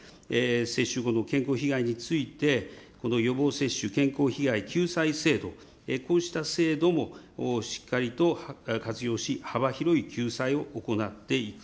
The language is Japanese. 接種後の健康被害について、この予防接種健康被害救済制度、こうした制度もしっかりと活用し、幅広い救済を行っていく。